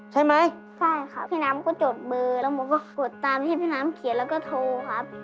ใช่ไหมใช่ครับพี่น้ำก็จดมือแล้วหนูก็กดตามที่พี่น้ำเขียนแล้วก็โทรครับ